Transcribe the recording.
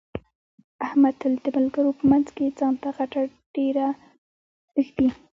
احمد تل د ملګرو په منځ کې ځان ته غټه ډېره ږدي.